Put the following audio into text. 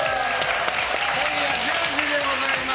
１０時でございます。